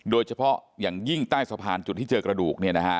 โดยเฉพาะอย่างยิ่งใต้สะพานจุดที่เจอกระดูก